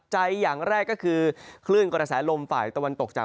ให้ดูครับ